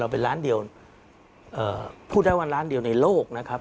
เป็นล้านเดียวพูดได้ว่าร้านเดียวในโลกนะครับ